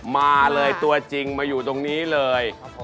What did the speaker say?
มาเลยตัวจริงมาอยู่ตรงนี้เลย